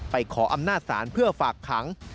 ขออำนาจศาลเพื่อฝากขัง